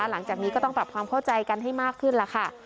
หลังจากนี้ก็ต้องปรับความเข้าใจกันให้มากขึ้นล่ะค่ะ